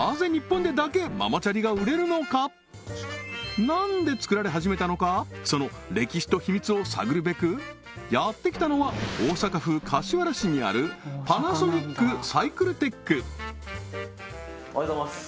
一体なんで作られ始めたのかその歴史と秘密を探るべくやってきたのは大阪府柏原市にあるおはようございます